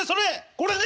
これね？